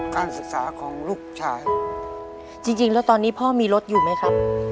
การศึกษาของลูกชายจริงแล้วตอนนี้พ่อมีรถอยู่ไหมครับ